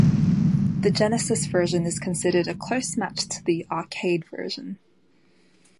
The Genesis version is considered a close match to the arcade version.